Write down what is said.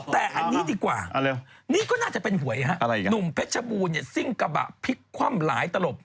แต่อันนี้ดีกว่านี่ก็น่าจะเป็นหวยฮะหนุ่มเพชรบูรณเนี่ยซิ่งกระบะพลิกคว่ำหลายตลบ